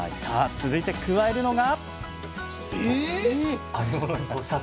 続いて加えるのが？